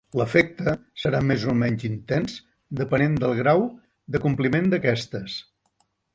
L'efecte serà més o menys intents depenent del grau d'acompliment d'aquestes.